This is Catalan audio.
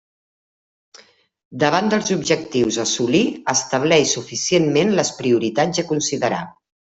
Davant dels objectius a assolir, estableix suficientment les prioritats a considerar.